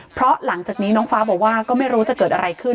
เพราะหลังจากนี้น้องฟ้าบอกว่าก็ไม่รู้จะเกิดอะไรขึ้น